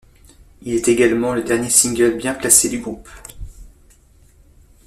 Il est également le dernier single bien classé du groupe.